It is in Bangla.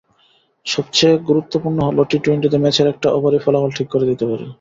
্রসবচেয়ে গুরুত্বপূর্ণ হলো, টি-টোয়েন্টিতে ম্যাচের একটা ওভারই ফলাফল ঠিক করে দিতে পারে।